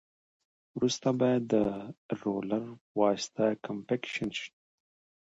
وروسته باید د رولر په واسطه کمپکشن شي